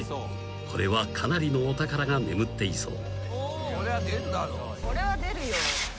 ［これはかなりのお宝が眠っていそう］